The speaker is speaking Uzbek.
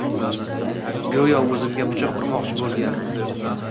Goʻyo oʻzimga pichoq urmoqchi boʻlgan.